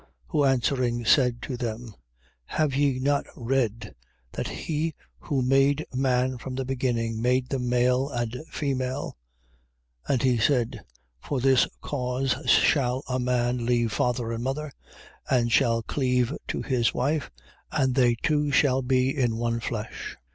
19:4. Who answering, said to them: Have ye not read, that he who made man from the beginning, made them male and female? And he said: 19:5. For this cause shall a man leave father and mother, and shall cleave to his wife, and they two shall be in one flesh.